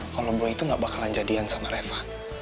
kalau gue itu gak bakalan jadian sama reva